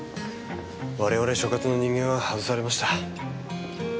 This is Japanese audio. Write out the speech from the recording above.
我々所轄の人間は外されました。